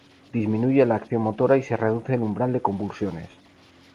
Disminuye la acción motora y se reduce el umbral de convulsiones.